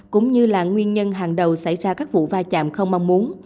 cũng như là nguyên nhân hàng đầu xảy ra các vụ va chạm không mong muốn